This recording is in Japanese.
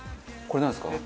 これなんですか？